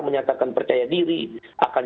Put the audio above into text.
menyatakan percaya diri akan